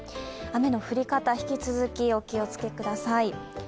雨の降り方、引き続きお気をつけください。